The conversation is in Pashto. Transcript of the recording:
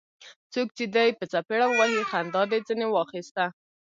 څوک چي دي په څپېړه ووهي؛ خندا دي ځني واخسته.